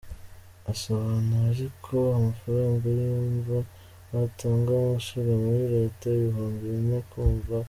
Asobanura ariko ko amafaranga y’imva batangaho umusoro muri leta, ibihumbi bine ku mva.